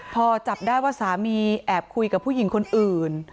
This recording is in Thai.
พอจับได้ว่าสามีแอบคุยกับผู้หญิงคนอื่น